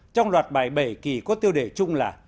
trong loạt bài bảy kỳ có tiêu đề chung là